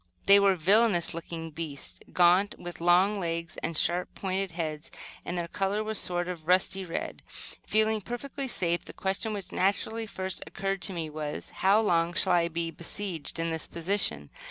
They were villainous looking beasts, gaunt, with long legs and sharp, pointed heads; and their color was a sort of rusty red. Feeling perfectly safe, the question which naturally first occurred to me was, "how long shall I be besieged in this position?"